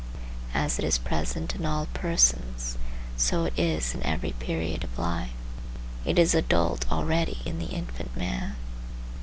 As it is present in all persons, so it is in every period of life. It is adult already in the infant man.